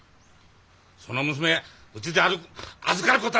その娘うちで預かることはできねえ！